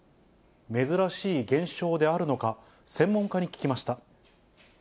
珍しい現象であるのか、専門家に聞きました。